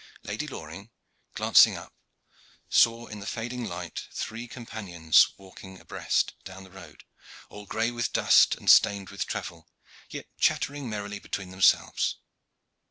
Lady Loring, glancing up, saw in the fading light three companions walking abreast down the road, all gray with dust, and stained with travel, yet chattering merrily between themselves.